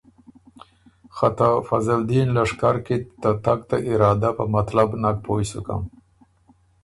خه ته فضلدین لشکر کی ت ته تګ ته ارادۀ په مطلب نک پویٛ سُکم